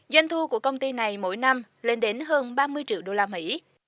doanh thu của công ty này mỗi năm lên đến hơn ba mươi triệu đô la mỹ